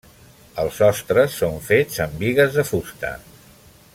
Els sostres són fets amb bigues de fusta.